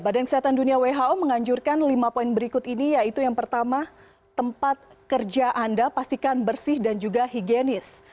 badan kesehatan dunia who menganjurkan lima poin berikut ini yaitu yang pertama tempat kerja anda pastikan bersih dan juga higienis